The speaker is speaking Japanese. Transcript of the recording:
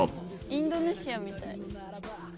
インドネシアみたい。